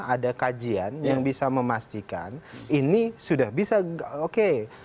ada kajian yang bisa memastikan ini sudah bisa oke